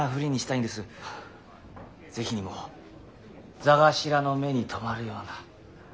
是非にも座頭の目に留まるような。